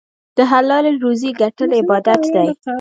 د حلالې روزۍ ګټل عبادت دی.